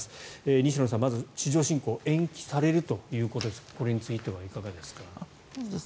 西野さん、まず、地上侵攻延期されるということですがこれについてはいかがですか。